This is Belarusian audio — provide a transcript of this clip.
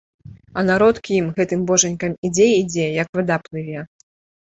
А народ к ім, гэтым божанькам, ідзе і ідзе, як вада плыве.